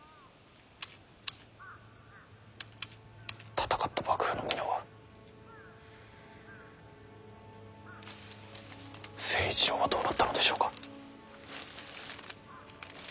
戦った幕府の皆は成一郎はどうなったのでしょうか。